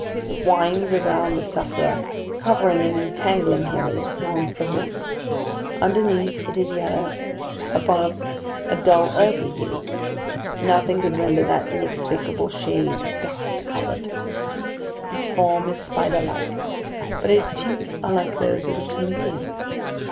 It winds around the sufferer, covering and entangling him in its long folds. Underneath it is yellow; above, a dull, earthy hue: nothing could render that inexplicable shade dust coloured. Its form is spider like, but its tints are like those of the chamelion.